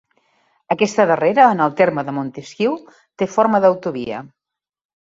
Aquesta darrera en el terme de Montesquiu té forma d'autovia.